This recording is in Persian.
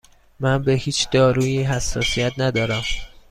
من به هیچ دارویی حساسیت ندارم.